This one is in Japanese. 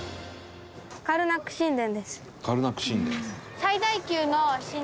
「カルナック神殿？」